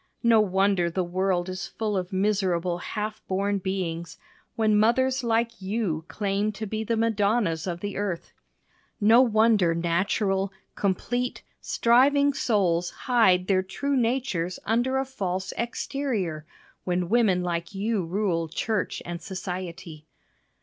No wonder the world is full of miserable half born beings, when mothers like you claim to be the Madonnas of earth. No wonder natural, complete, striving souls hide their true natures under a false exterior, when women like you rule church and society.